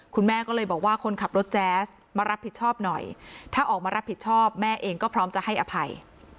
คุณแม่ก็เลยบอกว่าคนขับรถแจ๊สมารับผิดชอบหน่อยถ้าออกมารับผิดชอบแม่เองก็พร้อมจะให้อภัย